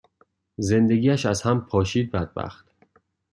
زندگیش از هم پاشید بدبخت.